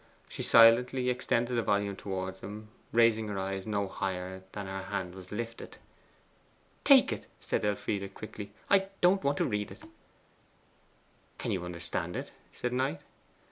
She silently extended the volume towards him, raising her eyes no higher than her hand was lifted. 'Take it,' said Elfride quickly. 'I don't want to read it.' 'Could you understand it?' said Knight.